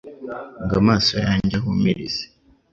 ngo amaso yanjye ahumirize